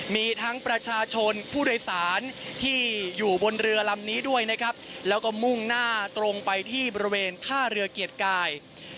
มีทั้งประชาชนผู้โดยสารที่อยู่บนเรือลำนี้ด้วยนะครับแล้วก็มุ่งหน้าตรงไปที่บริเวณท่าเรือเกียรติกาย